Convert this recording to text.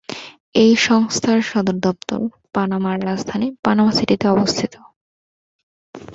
এই সংস্থার সদর দপ্তর পানামার রাজধানী পানামা সিটিতে অবস্থিত।